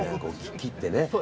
切ってね。